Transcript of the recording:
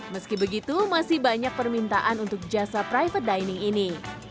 meski begitu masih banyak permintaan untuk jasa private dining ini